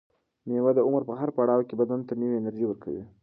مېوه د عمر په هر پړاو کې بدن ته نوې انرژي ورکوي.